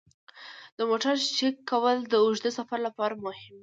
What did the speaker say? د موټر چک کول د اوږده سفر لپاره مهم دي.